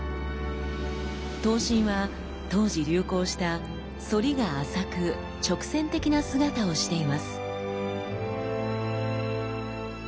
刀身は当時流行した反りが浅く直線的な姿をしています。